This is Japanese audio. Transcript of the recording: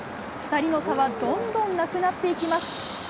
２人の差はどんどんなくなっていきます。